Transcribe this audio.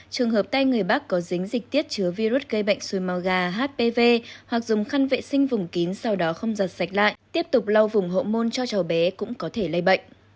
trường hợp tay người bác có dính dịch tiết chứa virus gây bệnh xùi màu gà hpv hoặc dùng khăn vệ sinh vùng kín sau đó không giặt sạch lại tiếp tục lau vùng hộ môn cho cháu bé cũng có thể lây bệnh